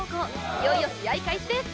いよいよ試合開始です！